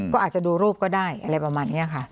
ก็อาจจะดูรูปก็ได้อะไรประมาณนี้ค่ะ